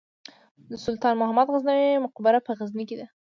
د سلطان محمود غزنوي مقبره په غزني کې ده